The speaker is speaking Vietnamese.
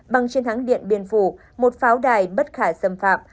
bằng chiến thắng điện biên phủ một pháo đài bất khả xâm phạm